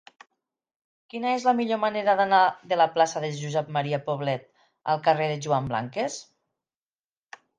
Quina és la millor manera d'anar de la plaça de Josep M. Poblet al carrer de Joan Blanques?